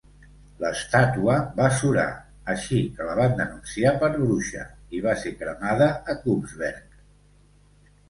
L'estàtua va surar, així que la van denunciar per bruixa i va ser cremada a Kubsberg.